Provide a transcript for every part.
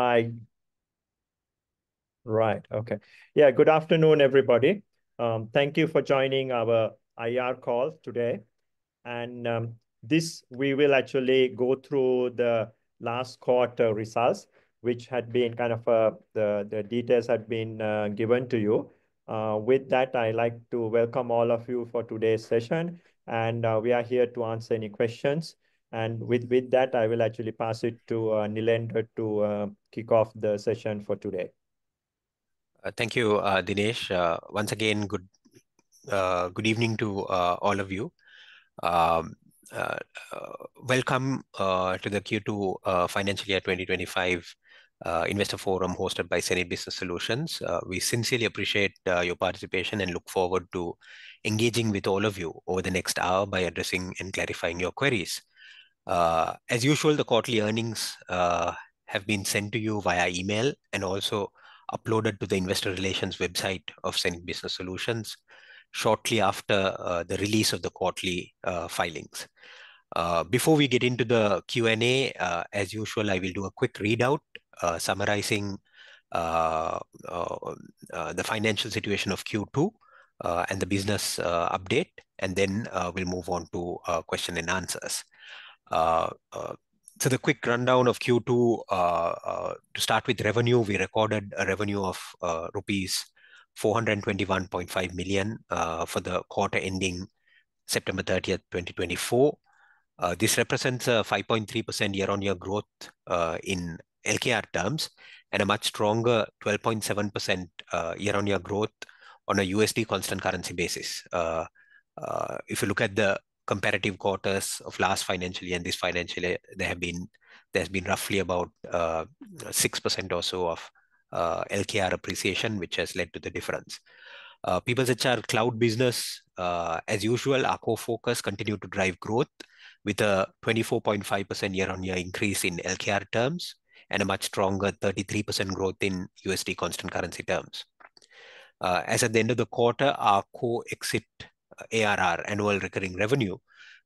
Right. Right. Okay. Yeah. Good afternoon, everybody. Thank you for joining our IR call today, and this we will actually go through the last quarter results, which had been kind of the details had been given to you. With that, I'd like to welcome all of you for today's session, and we are here to answer any questions, and with that, I will actually pass it to Nilendra to kick off the session for today. Thank you, Dinesh. Once again, good evening to all of you. Welcome to the Q2 Financial Year 2025 Investor Forum hosted by hSenid Business Solutions. We sincerely appreciate your participation and look forward to engaging with all of you over the next hour by addressing and clarifying your queries. As usual, the quarterly earnings have been sent to you via email and also uploaded to the investor relations website of hSenid Business Solutions shortly after the release of the quarterly filings. Before we get into the Q&A, as usual, I will do a quick readout summarizing the financial situation of Q2 and the business update, and then we'll move on to questions and answers. So the quick rundown of Q2, to start with revenue, we recorded a revenue of LKR 421.5 million for the quarter ending September 30, 2024. This represents a 5.3% year-on-year growth in LKR terms and a much stronger 12.7% year-on-year growth on a USD constant currency basis. If you look at the comparative quarters of last financial year and this financial year, there has been roughly about 6% or so of LKR appreciation, which has led to the difference. PeoplesHR Cloud business, as usual, our core focus continued to drive growth with a 24.5% year-on-year increase in LKR terms and a much stronger 33% growth in USD constant currency terms. As at the end of the quarter, our core exit ARR, annual recurring revenue,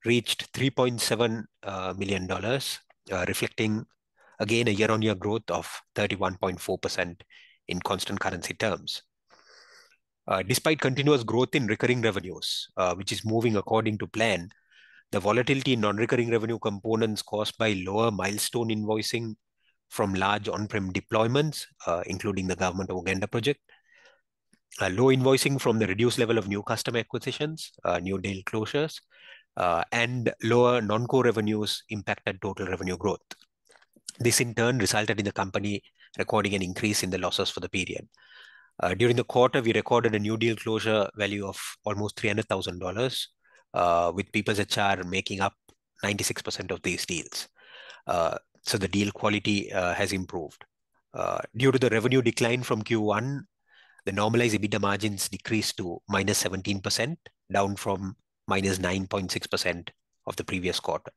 reached $3.7 million, reflecting again a year-on-year growth of 31.4% in constant currency terms. Despite continuous growth in recurring revenues, which is moving according to plan, the volatility in non-recurring revenue components caused by lower milestone invoicing from large on-prem deployments, including the Government of Uganda project, low invoicing from the reduced level of new customer acquisitions, new deal closures, and lower non-core revenues impacted total revenue growth. This, in turn, resulted in the company recording an increase in the losses for the period. During the quarter, we recorded a new deal closure value of almost $300,000, with PeoplesHR making up 96% of these deals. So the deal quality has improved. Due to the revenue decline from Q1, the normalized EBITDA margins decreased to minus 17%, down from minus 9.6% of the previous quarter.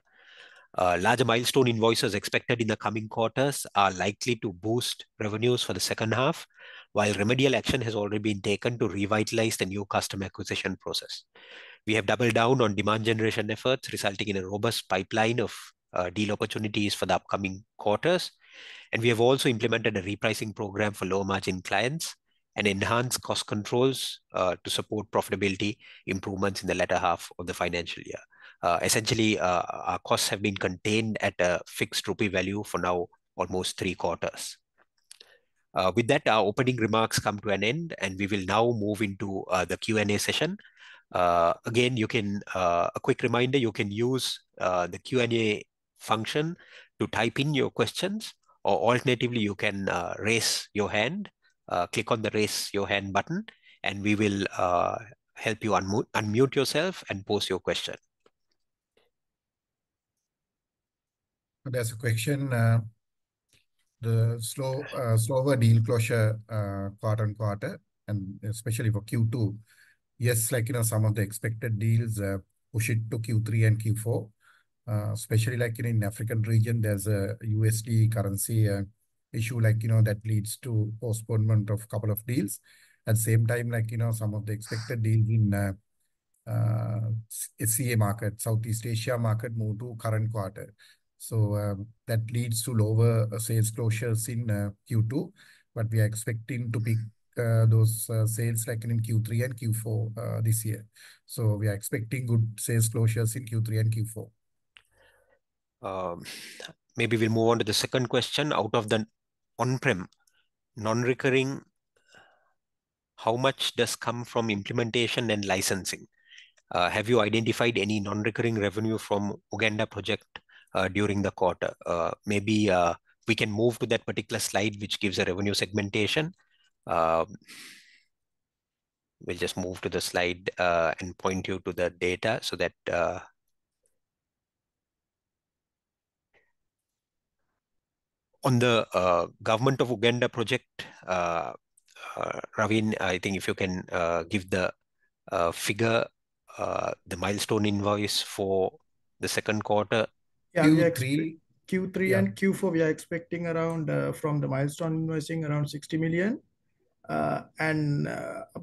Larger milestone invoices expected in the coming quarters are likely to boost revenues for the second half, while remedial action has already been taken to revitalize the new customer acquisition process. We have doubled down on demand generation efforts, resulting in a robust pipeline of deal opportunities for the upcoming quarters. And we have also implemented a repricing program for low-margin clients and enhanced cost controls to support profitability improvements in the latter half of the financial year. Essentially, our costs have been contained at a fixed rupee value for now almost three quarters. With that, our opening remarks come to an end, and we will now move into the Q&A session. Again, a quick reminder, you can use the Q&A function to type in your questions, or alternatively, you can raise your hand, click on the raise your hand button, and we will help you unmute yourself and post your question. There's a question. The slower deal closure quarter on quarter, and especially for Q2, yes, like some of the expected deals push it to Q3 and Q4, especially in the African region, there's a USD currency issue that leads to postponement of a couple of deals. At the same time, some of the expected deals in SEA market, Southeast Asia market, moved to current quarter. So that leads to lower sales closures in Q2, but we are expecting to pick those sales in Q3 and Q4 this year. So we are expecting good sales closures in Q3 and Q4. Maybe we'll move on to the second question. Out of the on-prem non-recurring, how much does come from implementation and licensing? Have you identified any non-recurring revenue from Uganda project during the quarter? Maybe we can move to that particular slide, which gives a revenue segmentation. We'll just move to the slide and point you to the data so that. On the Government of Uganda project, Ravin, I think if you can give the figure, the milestone invoice for the second quarter. Yeah, Q3 and Q4, we are expecting around LKR 60 million from the milestone invoicing.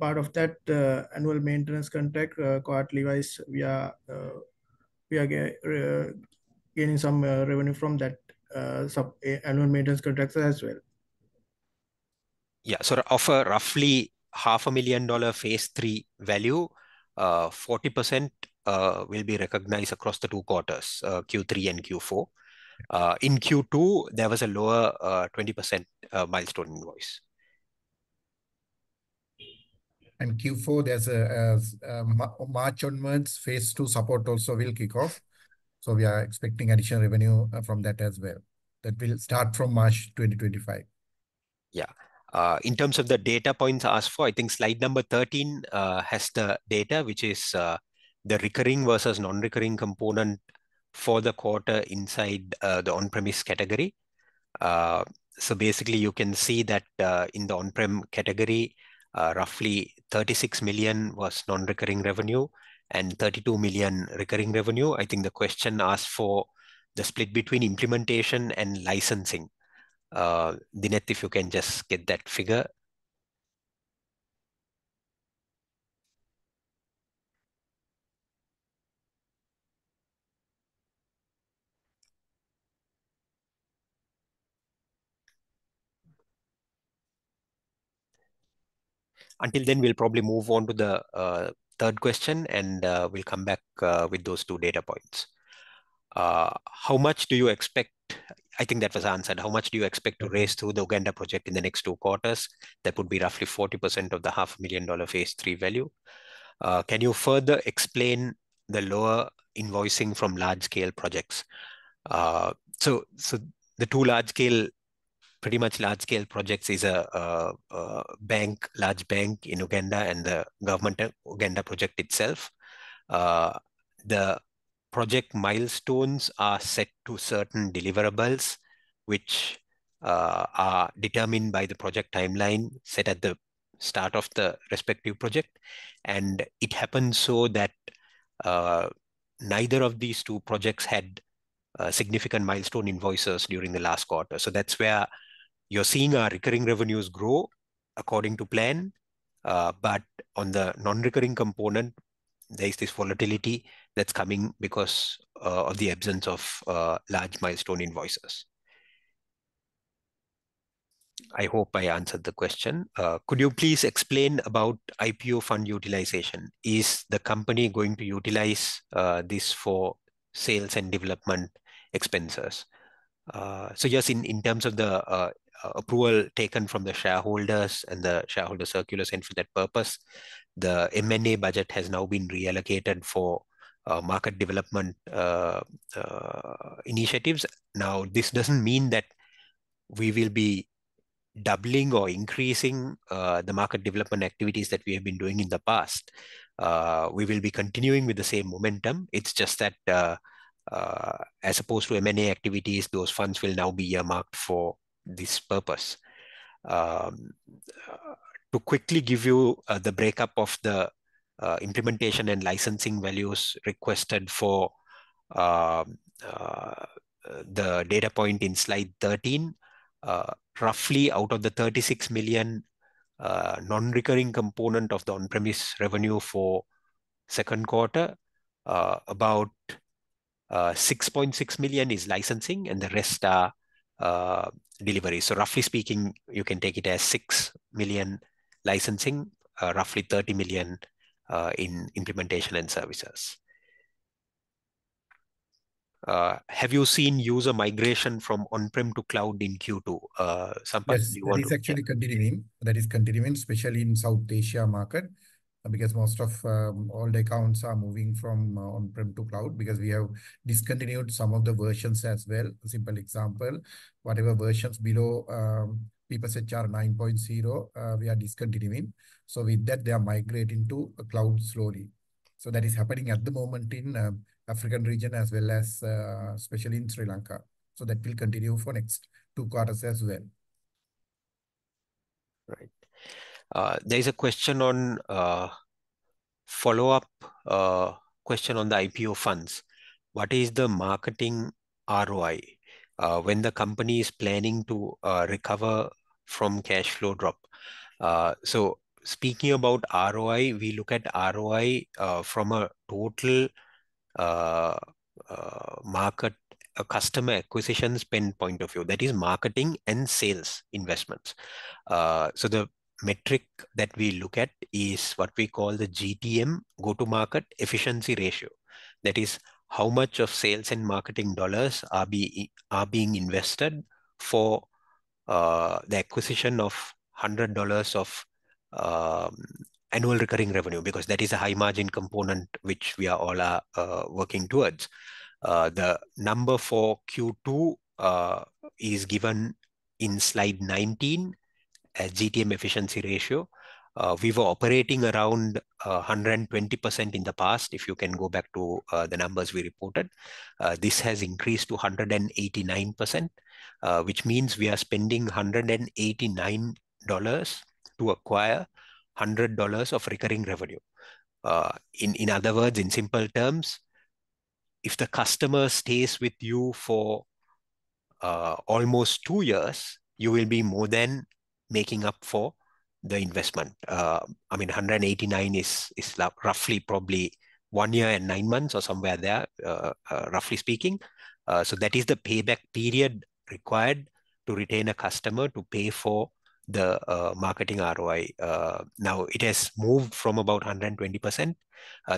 Part of that annual maintenance contract, quarterly-wise, we are gaining some revenue from that annual maintenance contract as well. Yeah. So for roughly $500,000 phase three value, 40% will be recognized across the two quarters, Q3 and Q4. In Q2, there was a lower 20% milestone invoice. Q4, there's a March onwards phase two support also will kick off. We are expecting additional revenue from that as well. That will start from March 2025. Yeah. In terms of the data points asked for, I think slide number 13 has the data, which is the recurring versus non-recurring component for the quarter inside the on-premise category. So basically, you can see that in the on-prem category, roughly 36 million was non-recurring revenue and 32 million recurring revenue. I think the question asked for the split between implementation and licensing. Dinesh, if you can just get that figure. Until then, we'll probably move on to the third question, and we'll come back with those two data points. How much do you expect? I think that was answered. How much do you expect to raise through the Uganda project in the next two quarters? That would be roughly 40% of the $500,000 phase three value. Can you further explain the lower invoicing from large-scale projects? The two large-scale, pretty much large-scale projects are a bank, large bank in Uganda, and the Government of Uganda project itself. The project milestones are set to certain deliverables, which are determined by the project timeline set at the start of the respective project. It happened so that neither of these two projects had significant milestone invoices during the last quarter. That's where you're seeing our recurring revenues grow according to plan. But on the non-recurring component, there is this volatility that's coming because of the absence of large milestone invoices. I hope I answered the question. Could you please explain about IPO fund utilization? Is the company going to utilize this for sales and development expenses? Just in terms of the approval taken from the shareholders and the shareholder circulars and for that purpose, the M&A budget has now been reallocated for market development initiatives. Now, this doesn't mean that we will be doubling or increasing the market development activities that we have been doing in the past. We will be continuing with the same momentum. It's just that as opposed to M&A activities, those funds will now be earmarked for this purpose. To quickly give you the breakdown of the implementation and licensing values requested for the data point in slide 13, roughly out of the $36 million non-recurring component of the on-premise revenue for second quarter, about $6.6 million is licensing, and the rest are delivery. So roughly speaking, you can take it as $6 million licensing, roughly $30 million in implementation and services. Have you seen user migration from on-prem to cloud in Q2? Some parts you want to. It's actually continuing. That is continuing, especially in South Asia market, because most of all the accounts are moving from on-prem to cloud because we have discontinued some of the versions as well. Simple example, whatever versions below PeoplesHR 9.0, we are discontinuing. So with that, they are migrating to cloud slowly. So that is happening at the moment in the African region as well as especially in Sri Lanka. So that will continue for next two quarters as well. Right. There is a question on follow-up question on the IPO funds. What is the marketing ROI when the company is planning to recover from cash flow drop? So speaking about ROI, we look at ROI from a total market customer acquisitions spend point of view. That is marketing and sales investments. So the metric that we look at is what we call the GTM, Go to Market Efficiency Ratio. That is how much of sales and marketing dollars are being invested for the acquisition of $100 of annual recurring revenue, because that is a high-margin component which we are all working towards. The number for Q2 is given in slide 19, GTM efficiency ratio. We were operating around 120% in the past, if you can go back to the numbers we reported. This has increased to 189%, which means we are spending $189 to acquire $100 of recurring revenue. In other words, in simple terms, if the customer stays with you for almost two years, you will be more than making up for the investment. I mean, 189 is roughly probably one year and nine months or somewhere there, roughly speaking. So that is the payback period required to retain a customer to pay for the marketing ROI. Now, it has moved from about 120%.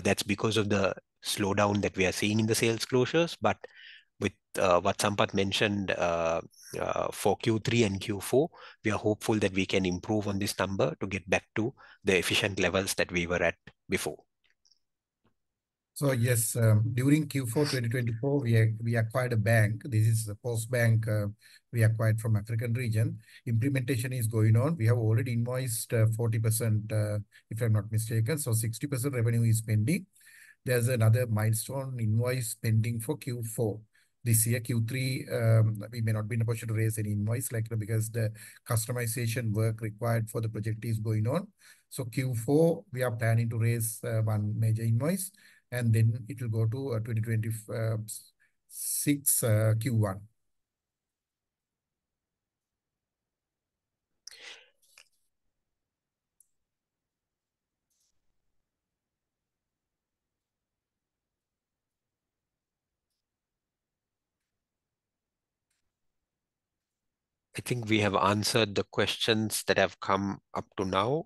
That's because of the slowdown that we are seeing in the sales closures. But with what Sampath mentioned for Q3 and Q4, we are hopeful that we can improve on this number to get back to the efficient levels that we were at before. So yes, during Q4 2024, we acquired a bank. This is a PostBank we acquired from the African region. Implementation is going on. We have already invoiced 40%, if I'm not mistaken. So 60% revenue is pending. There's another milestone invoice pending for Q4 this year. Q3, we may not be in a position to raise any invoice because the customization work required for the project is going on. So Q4, we are planning to raise one major invoice, and then it will go to 2026 Q1. I think we have answered the questions that have come up to now.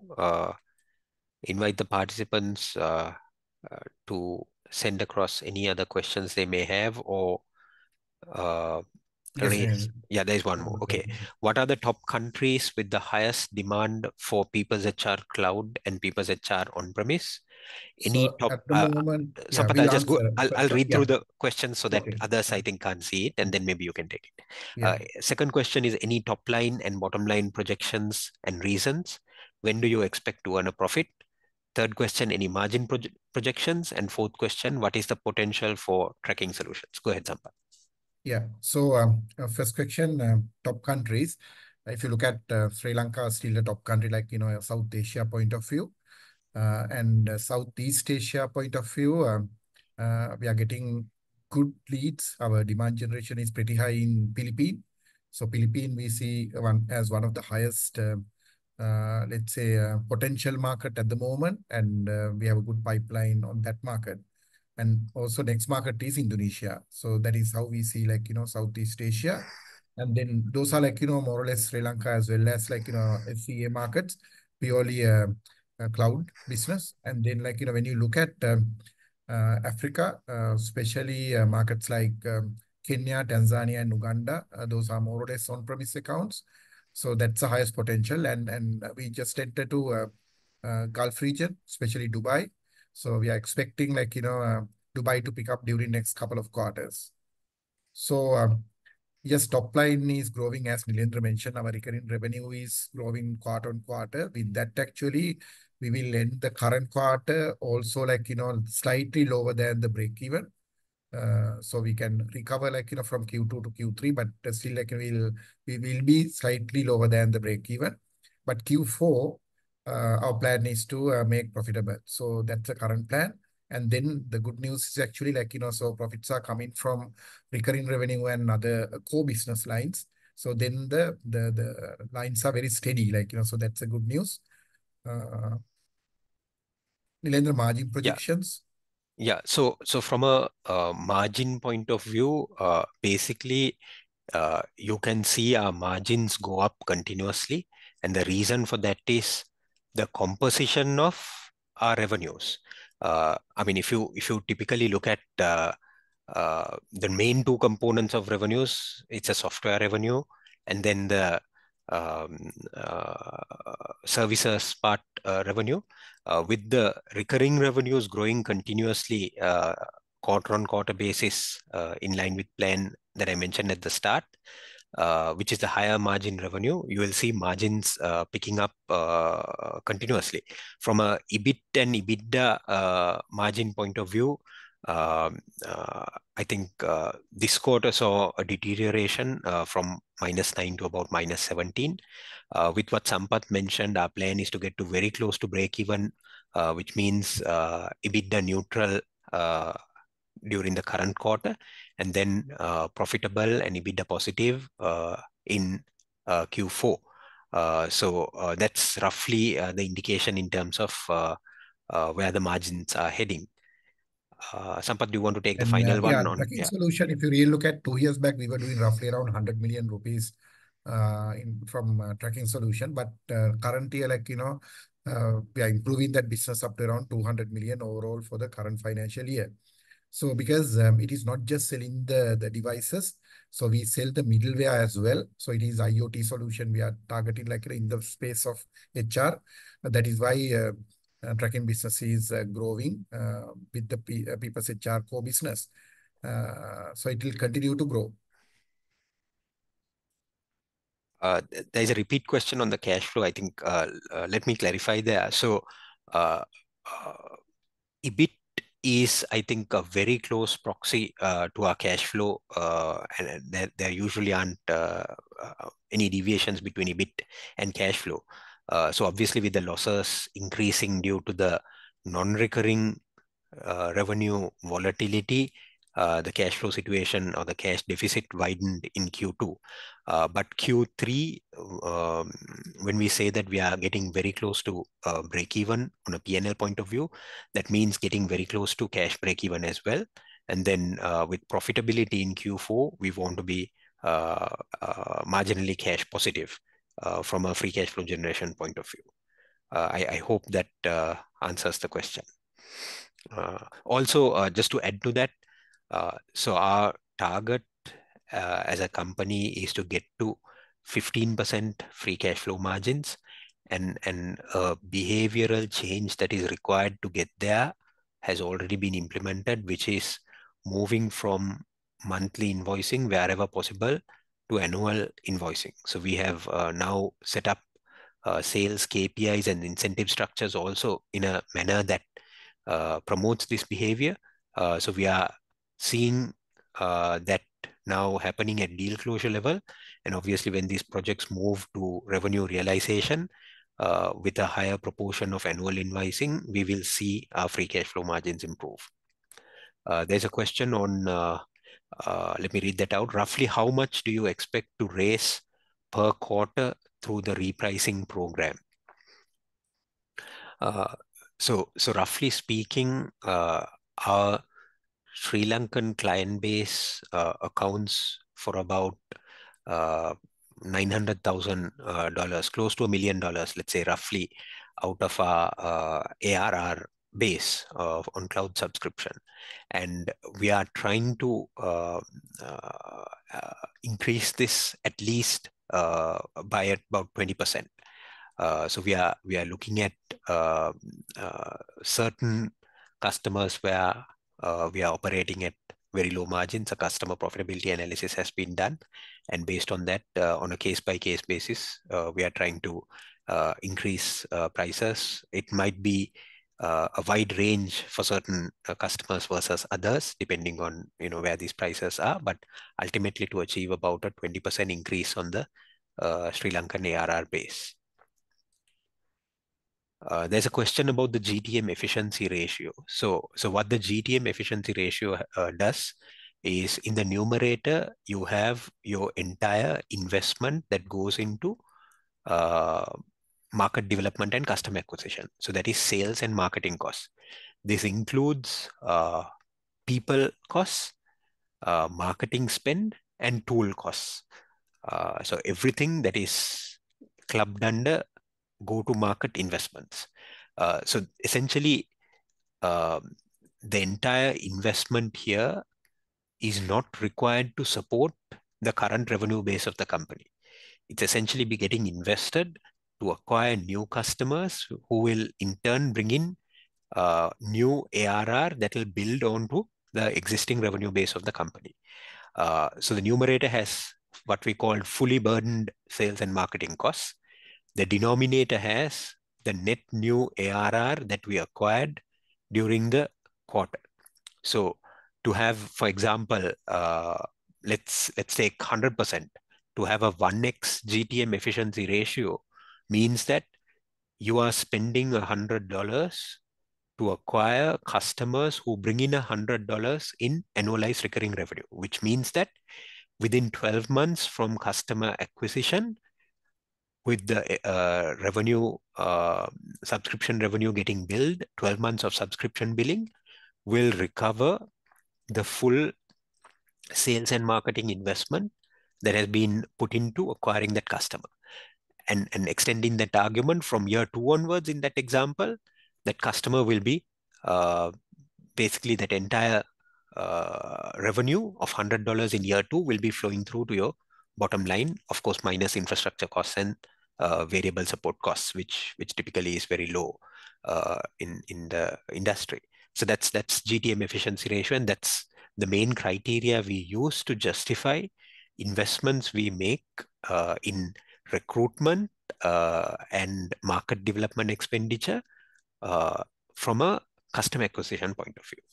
Invite the participants to send across any other questions they may have or. Yeah, there's one more. Yeah, there's one more. Okay. What are the top countries with the highest demand for PeoplesHR Cloud and PeoplesHR On-premise? Any top? At the moment. Sampath, I'll just read through the questions so that others, I think, can't see it, and then maybe you can take it. Second question is, any top line and bottom line projections and reasons? When do you expect to earn a profit? Third question, any margin projections? And fourth question, what is the potential for tracking solutions? Go ahead, Sampath. Yeah. So first question, top countries. If you look at Sri Lanka, still a top country like South Asia point of view and Southeast Asia point of view, we are getting good leads. Our demand generation is pretty high in the Philippines. So Philippines, we see as one of the highest, let's say, potential market at the moment, and we have a good pipeline on that market. And also next market is Indonesia. So that is how we see Southeast Asia. And then those are more or less Sri Lanka as well as SEA markets. We are only a cloud business. And then when you look at Africa, especially markets like Kenya, Tanzania, and Uganda, those are more or less on-premise accounts. So that's the highest potential. And we just entered the Gulf region, especially Dubai. So we are expecting Dubai to pick up during the next couple of quarters. So yes, top line is growing, as Nilendra mentioned. Our recurring revenue is growing quarter on quarter. With that, actually, we will end the current quarter also slightly lower than the breakeven. So we can recover from Q2 to Q3, but still we will be slightly lower than the breakeven. But Q4, our plan is to make profitable. So that's the current plan. And then the good news is actually also profits are coming from recurring revenue and other core business lines. So then the lines are very steady. So that's the good news. Nilendra, margin projections? Yeah. So from a margin point of view, basically, you can see our margins go up continuously. And the reason for that is the composition of our revenues. I mean, if you typically look at the main two components of revenues, it's a software revenue, and then the services part revenue. With the recurring revenues growing continuously quarter on quarter basis in line with plan that I mentioned at the start, which is the higher margin revenue, you will see margins picking up continuously. From an EBIT and EBITDA margin point of view, I think this quarter saw a deterioration from -9% to about -17%. With what Sampath mentioned, our plan is to get very close to breakeven, which means EBITDA neutral during the current quarter, and then profitable and EBITDA positive in Q4. So that's roughly the indication in terms of where the margins are heading. Sampath, do you want to take the final one? Tracking solution, if you really look at two years back, we were doing roughly around LKR 100 million from tracking solution. But currently, we are improving that business up to around LKR 200 million overall for the current financial year so because it is not just selling the devices, so we sell the middleware as well so it is IoT solution we are targeting in the space of HR. That is why tracking business is growing with the PeoplesHR core business so it will continue to grow. There's a repeat question on the cash flow. I think let me clarify there. So EBIT is, I think, a very close proxy to our cash flow, and there usually aren't any deviations between EBIT and cash flow. So obviously, with the losses increasing due to the non-recurring revenue volatility, the cash flow situation or the cash deficit widened in Q2. But Q3, when we say that we are getting very close to breakeven on a P&L point of view, that means getting very close to cash breakeven as well. And then with profitability in Q4, we want to be marginally cash positive from a free cash flow generation point of view. I hope that answers the question. Also, just to add to that, so our target as a company is to get to 15% free cash flow margins. And behavioral change that is required to get there has already been implemented, which is moving from monthly invoicing wherever possible to annual invoicing. So we have now set up sales KPIs and incentive structures also in a manner that promotes this behavior. So we are seeing that now happening at deal closure level. And obviously, when these projects move to revenue realization with a higher proportion of annual invoicing, we will see our free cash flow margins improve. There's a question on, let me read that out. Roughly, how much do you expect to raise per quarter through the repricing program? So roughly speaking, our Sri Lankan client base accounts for about $900,000, close to a million dollars, let's say roughly, out of our ARR base on cloud subscription. And we are trying to increase this at least by about 20%. We are looking at certain customers where we are operating at very low margins. A customer profitability analysis has been done. And based on that, on a case-by-case basis, we are trying to increase prices. It might be a wide range for certain customers versus others, depending on where these prices are, but ultimately to achieve about a 20% increase on the Sri Lankan ARR base. There's a question about the GTM efficiency ratio. So what the GTM efficiency ratio does is in the numerator, you have your entire investment that goes into market development and customer acquisition. So that is sales and marketing costs. This includes people costs, marketing spend, and tool costs. So everything that is clubbed under go to market investments. So essentially, the entire investment here is not required to support the current revenue base of the company. It's essentially getting invested to acquire new customers who will in turn bring in new ARR that will build onto the existing revenue base of the company. So the numerator has what we call fully burdened sales and marketing costs. The denominator has the net new ARR that we acquired during the quarter. So to have, for example, let's take 100%. To have a 1x GTM efficiency ratio means that you are spending $100 to acquire customers who bring in $100 in annualized recurring revenue, which means that within 12 months from customer acquisition, with the subscription revenue getting billed, 12 months of subscription billing will recover the full sales and marketing investment that has been put into acquiring that customer. And extending that argument from year two onwards in that example, that customer will be basically that entire revenue of $100 in year two will be flowing through to your bottom line, of course, minus infrastructure costs and variable support costs, which typically is very low in the industry. So that's GTM efficiency ratio. And that's the main criteria we use to justify investments we make in recruitment and market development expenditure from a customer acquisition point of view.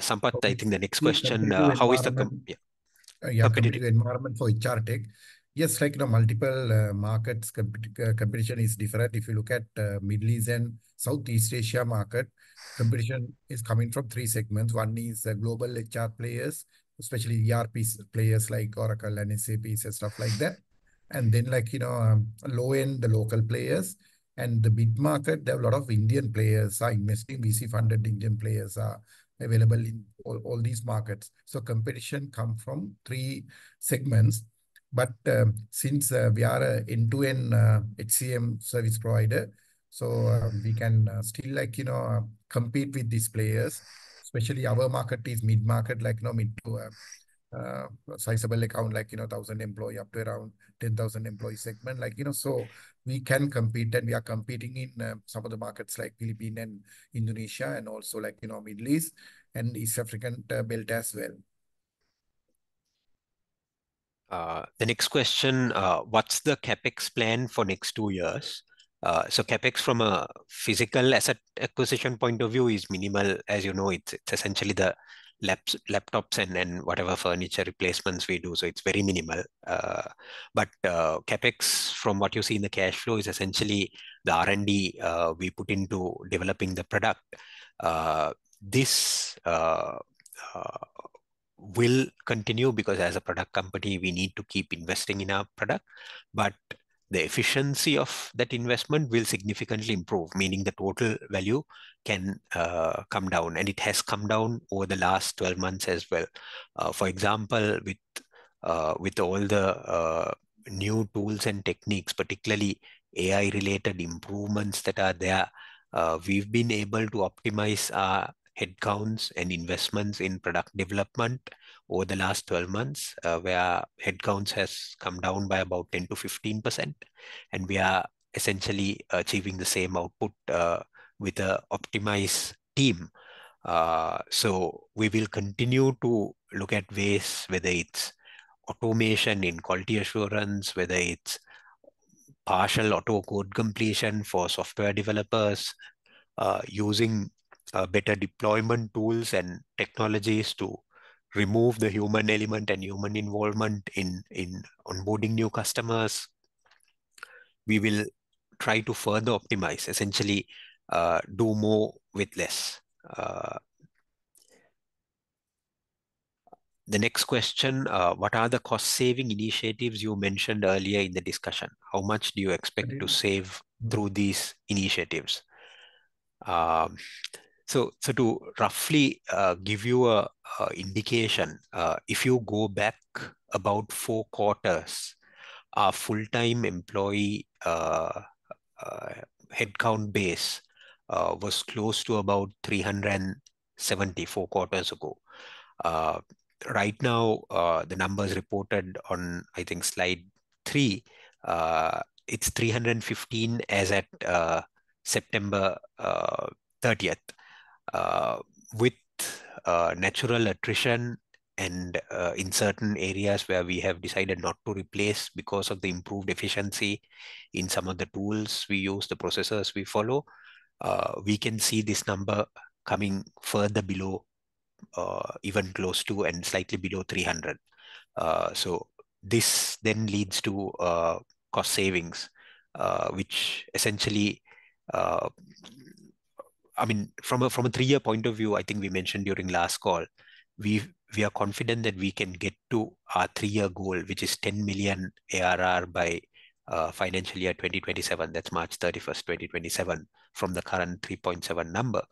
Sampath, I think the next question, how is the. Yeah, the environment for HR tech. Yes, multiple markets' competition is different. If you look at the Middle East and Southeast Asia market, competition is coming from three segments. One is global HR players, especially ERP players like Oracle and SAP and stuff like that. And then low-end, the local players. And the mid-market, there are a lot of Indian players investing. VC-funded Indian players are available in all these markets. So competition comes from three segments. But since we are an end-to-end HCM service provider, so we can still compete with these players, especially our market is mid-market, like mid to sizable account, like 1,000 employees up to around 10,000 employees segment. So we can compete, and we are competing in some of the markets like Philippines and Indonesia and also Middle East and East African Belt as well. The next question, what's the CapEx plan for next two years? So CapEx from a physical asset acquisition point of view is minimal. As you know, it's essentially the laptops and whatever furniture replacements we do. So it's very minimal. But CapEx, from what you see in the cash flow, is essentially the R&D we put into developing the product. This will continue because as a product company, we need to keep investing in our product. But the efficiency of that investment will significantly improve, meaning the total value can come down. And it has come down over the last 12 months as well. For example, with all the new tools and techniques, particularly AI-related improvements that are there, we've been able to optimize our headcounts and investments in product development over the last 12 months, where headcounts have come down by about 10%-15%. We are essentially achieving the same output with an optimized team. We will continue to look at ways, whether it's automation in quality assurance, whether it's partial auto code completion for software developers, using better deployment tools and technologies to remove the human element and human involvement in onboarding new customers. We will try to further optimize, essentially do more with less. The next question, what are the cost-saving initiatives you mentioned earlier in the discussion? How much do you expect to save through these initiatives? To roughly give you an indication, if you go back about four quarters, our full-time employee headcount base was close to about 370 four quarters ago. Right now, the numbers reported on, I think, slide 3, it's 315 as at September 30th. With natural attrition and in certain areas where we have decided not to replace because of the improved efficiency in some of the tools we use, the processes we follow, we can see this number coming further below, even close to and slightly below 300. So this then leads to cost savings, which essentially, I mean, from a three-year point of view, I think we mentioned during last call, we are confident that we can get to our three-year goal, which is 10 million ARR by financial year 2027. That's March 31st, 2027, from the current 3.7 number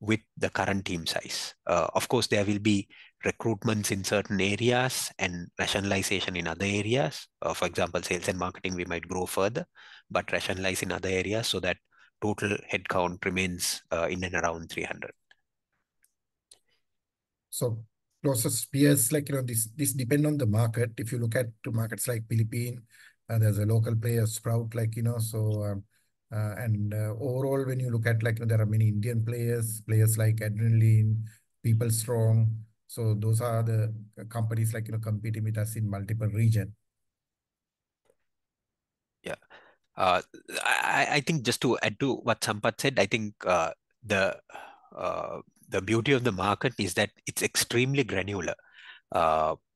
with the current team size. Of course, there will be recruitments in certain areas and rationalization in other areas. For example, sales and marketing, we might grow further, but rationalize in other areas so that total headcount remains in and around 300. So process, peers, this depends on the market. If you look at markets like Philippines, there's a local player Sprout, like, you know, and overall, when you look at, like, there are many Indian players, players like Adrenalin, PeopleStrong. Those are the companies competing with us in multiple regions. Yeah. I think just to add to what Sampath said, I think the beauty of the market is that it's extremely granular,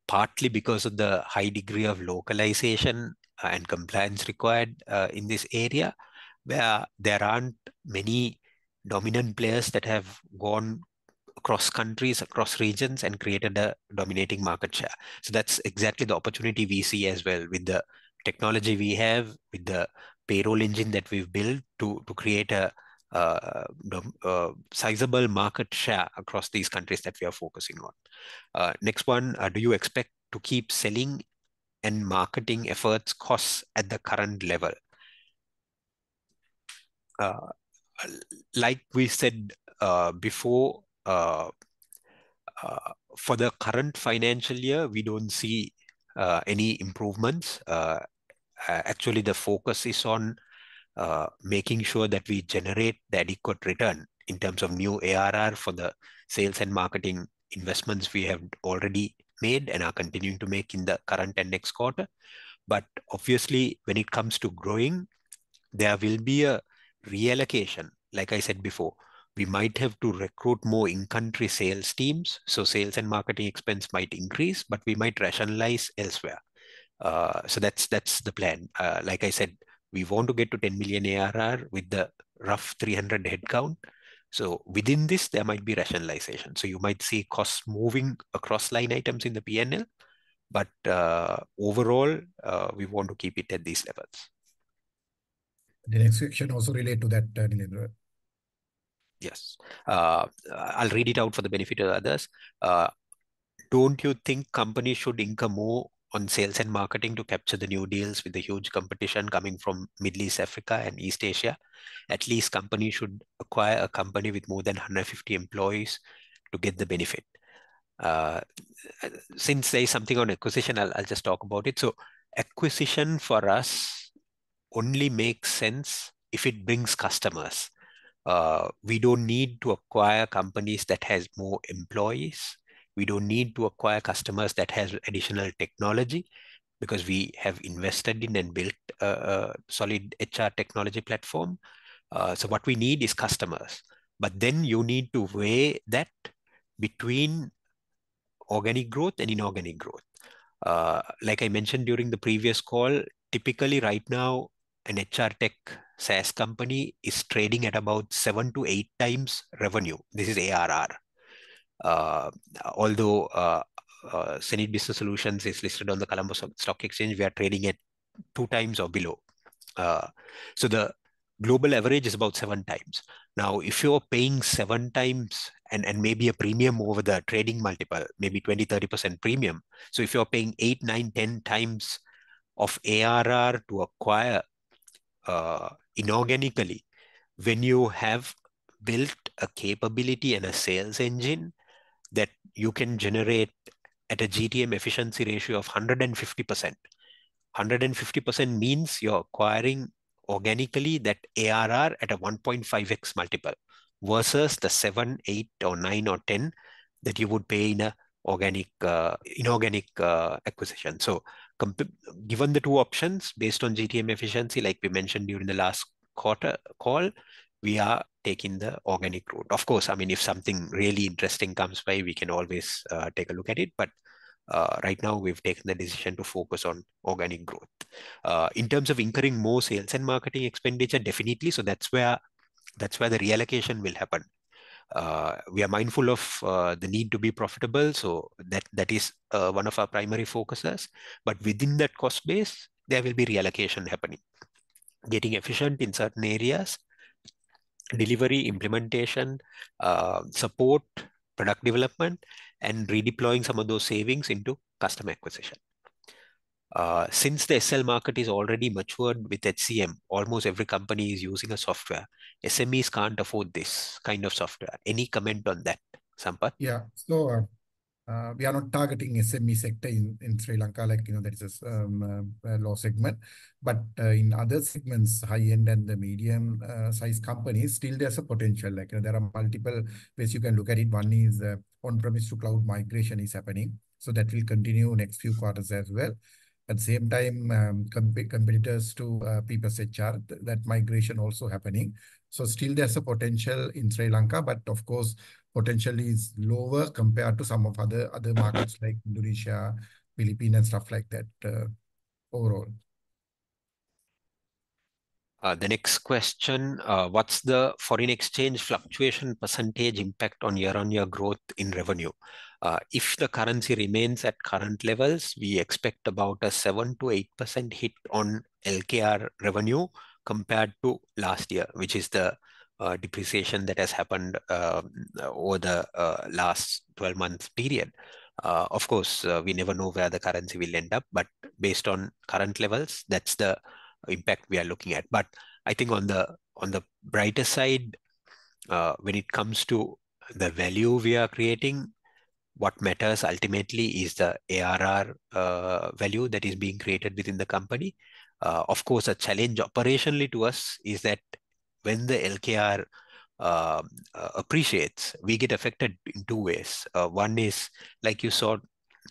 partly because of the high degree of localization and compliance required in this area where there aren't many dominant players that have gone across countries, across regions, and created a dominating market share. So that's exactly the opportunity we see as well with the technology we have, with the payroll engine that we've built to create a sizable market share across these countries that we are focusing on. Next one, do you expect to keep selling and marketing efforts costs at the current level? Like we said before, for the current financial year, we don't see any improvements. Actually, the focus is on making sure that we generate the adequate return in terms of new ARR for the sales and marketing investments we have already made and are continuing to make in the current and next quarter. But obviously, when it comes to growing, there will be a reallocation. Like I said before, we might have to recruit more in-country sales teams. So sales and marketing expense might increase, but we might rationalize elsewhere. So that's the plan. Like I said, we want to get to 10 million ARR with the rough 300 headcount. So within this, there might be rationalization. So you might see costs moving across line items in the P&L. But overall, we want to keep it at these levels. The next question also relates to that, Nilendra. Yes. I'll read it out for the benefit of others. Don't you think companies should invest more on sales and marketing to capture the new deals with the huge competition coming from Middle East, Africa, and East Asia? At least companies should acquire a company with more than 150 employees to get the benefit. Since there is something on acquisition, I'll just talk about it. So acquisition for us only makes sense if it brings customers. We don't need to acquire companies that have more employees. We don't need to acquire customers that have additional technology because we have invested in and built a solid HR technology platform. So what we need is customers. But then you need to weigh that between organic growth and inorganic growth. Like I mentioned during the previous call, typically right now, an HR tech SaaS company is trading at about seven to eight times revenue. This is ARR. Although hSenid Business Solutions is listed on the Colombo Stock Exchange, we are trading at two times or below. So the global average is about seven times. Now, if you're paying seven times and maybe a premium over the trading multiple, maybe 20%, 30% premium, so if you're paying 8, 9, 10 times of ARR to acquire inorganically, when you have built a capability and a sales engine that you can generate at a GTM efficiency ratio of 150%, 150% means you're acquiring organically that ARR at a 1.5x multiple versus the 7, 8, or 9, or 10 that you would pay in an inorganic acquisition. So given the two options, based on GTM efficiency, like we mentioned during the last quarter call, we are taking the organic route. Of course, I mean, if something really interesting comes by, we can always take a look at it. But right now, we've taken the decision to focus on organic growth. In terms of incurring more sales and marketing expenditure, definitely. So that's where the reallocation will happen. We are mindful of the need to be profitable. So that is one of our primary focuses. But within that cost base, there will be reallocation happening, getting efficient in certain areas, delivery, implementation, support, product development, and redeploying some of those savings into customer acquisition. Since the SL market is already matured with HCM, almost every company is using software. SMEs can't afford this kind of software. Any comment on that, Sampath? Yeah. So we are not targeting SME sector in Sri Lanka. There is a low segment. But in other segments, high-end and the medium-sized companies, still there's a potential. There are multiple ways you can look at it. One is on-premise to cloud migration is happening. So that will continue next few quarters as well. At the same time, competitors to PeopleStrong, that migration is also happening. So still there's a potential in Sri Lanka, but of course, potential is lower compared to some of other markets like Indonesia, Philippines, and stuff like that overall. The next question, what's the foreign exchange fluctuation percentage impact on year-on-year growth in revenue? If the currency remains at current levels, we expect about a 7%-8% hit on LKR revenue compared to last year, which is the depreciation that has happened over the last 12-month period. Of course, we never know where the currency will end up. But based on current levels, that's the impact we are looking at. But I think on the brighter side, when it comes to the value we are creating, what matters ultimately is the ARR value that is being created within the company. Of course, a challenge operationally to us is that when the LKR appreciates, we get affected in two ways. One is, like you saw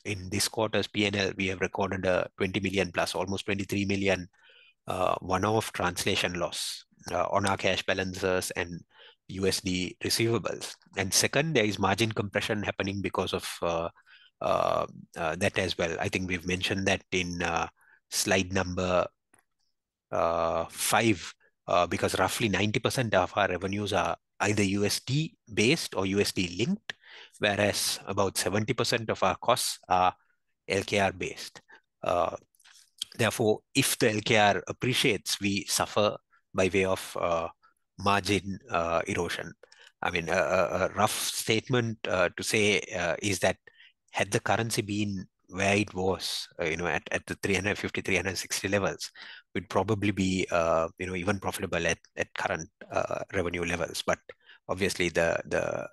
in this quarter's P&L, we have recorded a LKR 20 million plus, almost LKR 23 million one-off translation loss on our cash balances and USD receivables. And second, there is margin compression happening because of that as well. I think we've mentioned that in slide number five because roughly 90% of our revenues are either USD-based or USD-linked, whereas about 70% of our costs are LKR-based. Therefore, if the LKR appreciates, we suffer by way of margin erosion. I mean, a rough statement to say is that had the currency been where it was at the 350-360 levels, we'd probably be even profitable at current revenue levels. But obviously, the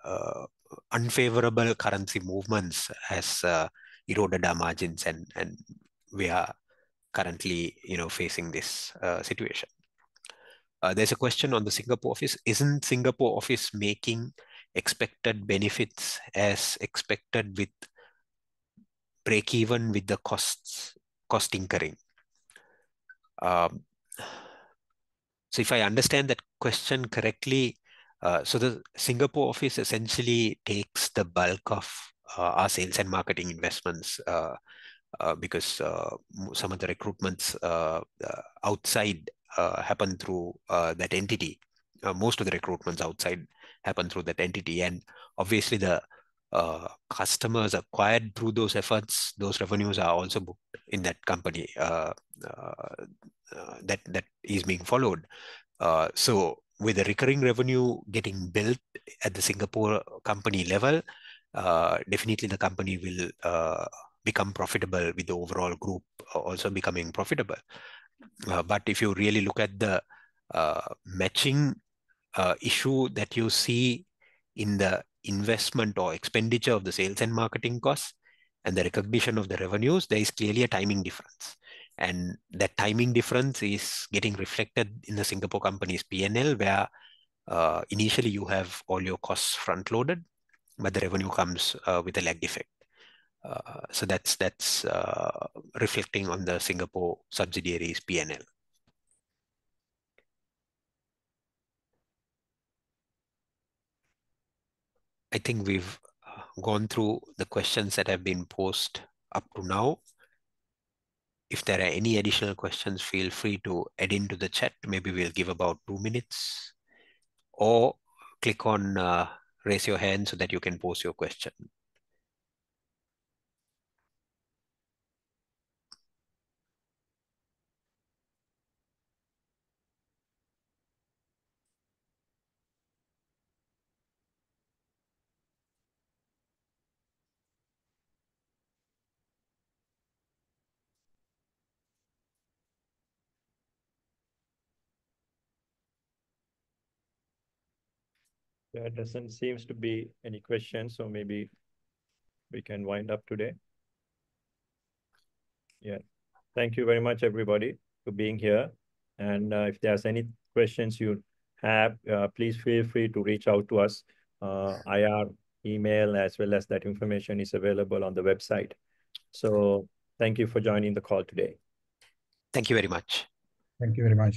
unfavorable currency movements have eroded our margins, and we are currently facing this situation. There's a question on the Singapore office. Isn't Singapore office making expected benefits as expected with break-even with the cost incurring? So if I understand that question correctly, so the Singapore office essentially takes the bulk of our sales and marketing investments because some of the recruitments outside happen through that entity. Most of the recruitments outside happen through that entity. And obviously, the customers acquired through those efforts, those revenues are also booked in that company that is being followed. So with the recurring revenue getting built at the Singapore company level, definitely the company will become profitable with the overall group also becoming profitable. But if you really look at the matching issue that you see in the investment or expenditure of the sales and marketing costs and the recognition of the revenues, there is clearly a timing difference. And that timing difference is getting reflected in the Singapore company's P&L, where initially you have all your costs front-loaded, but the revenue comes with a lag effect. So that's reflecting on the Singapore subsidiaries' P&L. I think we've gone through the questions that have been posed up to now. If there are any additional questions, feel free to add into the chat. Maybe we'll give about two minutes or click on raise your hand so that you can post your question. There doesn't seem to be any questions, so maybe we can wind up today. Yeah. Thank you very much, everybody, for being here. And if there's any questions you have, please feel free to reach out to us. IR email as well as that information is available on the website. So thank you for joining the call today. Thank you very much. Thank you very much.